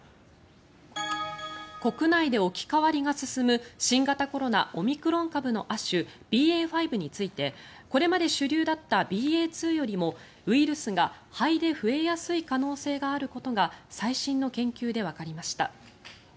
国内で置き換わりが進む新型コロナオミクロン株の亜種ＢＡ．５についてこれまで主流だったＢＡ．２よりもウイルスが肺で増えやすい可能性があることが最新の研究でわかりました。